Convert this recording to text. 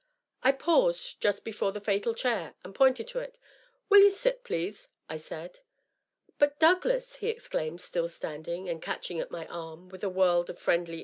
I paused just before the fatal chair and pointed to it. " Will you sit, please ?'^ 1 said. " But, Douglas," he exclaimed, still standing, and catching at my arm, with a world of friendly